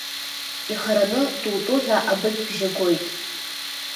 Ихараны ту-ту ҳәа абыкьбжьы гоит.